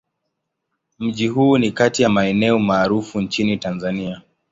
Mji huu ni kati ya maeneo maarufu nchini Tanzania.